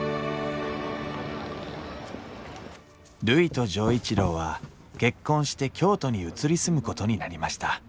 るいと錠一郎は結婚して京都に移り住むことになりました